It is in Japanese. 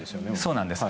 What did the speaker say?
そうなんです。